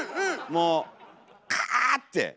もうカァーッて。